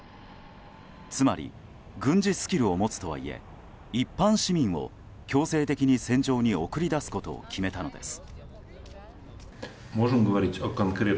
つまり軍事スキルを持つとはいえ一般市民を強制的に戦場に送り出すことを決めたのです。